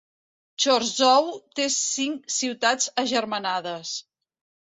Chorzów té cinc ciutats agermanades.